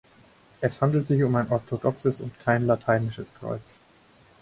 Es handelt sich um ein orthodoxes und kein lateinisches Kreuz.